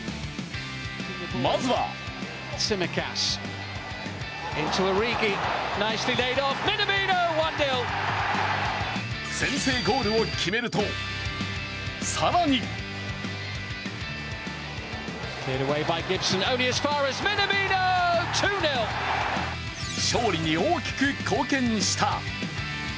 まずは先制ゴールを決めると、更に勝利に大きく貢献した。